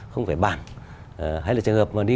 phải bàn hay là trường hợp mà đi